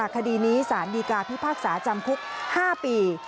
คดีนี้สารดีกาพิพากษาจำคุก๕ปี